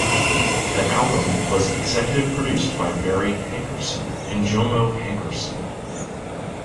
The album was executive produced by Barry Hankerson and Jomo Hankerson.